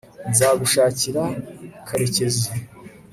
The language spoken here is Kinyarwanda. nzagushakira karekezi